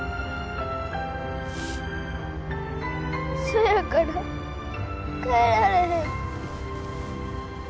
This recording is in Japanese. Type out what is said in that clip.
そやから帰られへん。